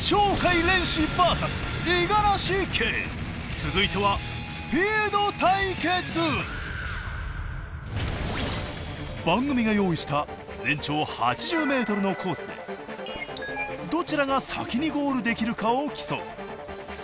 続いては番組が用意した全長８０ｍのコースでどちらが先にゴールできるかを競う。